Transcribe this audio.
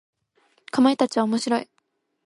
かまいたちは面白い。